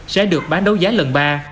sẽ được bán đấu giá lần ba